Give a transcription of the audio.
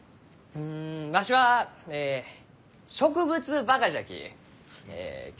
うんわしはえ植物バカじゃき。